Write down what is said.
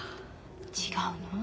違うの？